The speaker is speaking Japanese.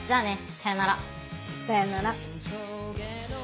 さようなら。